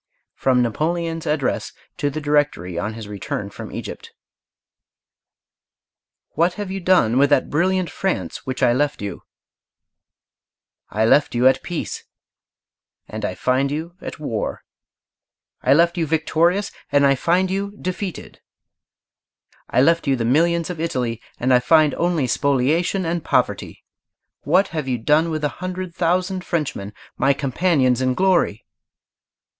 FROM NAPOLEON'S ADDRESS TO THE DIRECTORY ON HIS RETURN FROM EGYPT What have you done with that brilliant France which I left you? I left you at peace, and I find you at war. I left you victorious and I find you defeated. I left you the millions of Italy, and I find only spoliation and poverty. What have you done with the hundred thousand Frenchmen, my companions in glory?